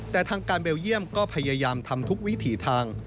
แต่ทางการเบลเยี่ยมก็พยายามทำทุกวิถีทาง